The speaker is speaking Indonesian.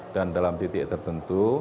dan dalam titik tertentu